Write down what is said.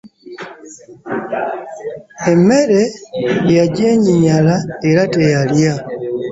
Emmere yagyenyinyala era teyalya.